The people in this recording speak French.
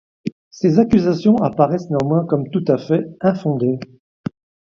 Ces accusations apparaissent néanmoins comme tout à fait infondées.